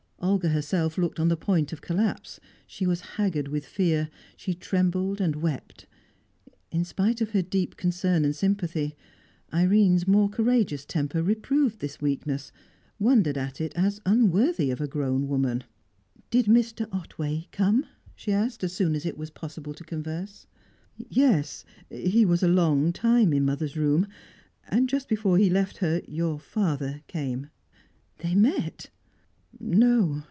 Olga herself looked on the point of collapse; she was haggard with fear; she trembled and wept. In spite of her deep concern and sympathy, Irene's more courageous temper reproved this weakness, wondered at it as unworthy of a grown woman. "Did Mr. Otway come?" she asked, as soon as It was possible to converse. "Yes. He was a long time in mother's room, and just before he left her your father came." "They met?" "No.